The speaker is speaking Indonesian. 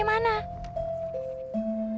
bawo aku suruh